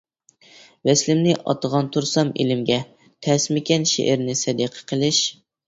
ۋەسلىمنى ئاتىغان تۇرسام ئېلىمگە، تەسمىكەن شېئىرنى سەدىقە قىلىش؟ !